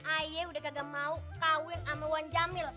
ayah udah gak mau kawin sama wan jamil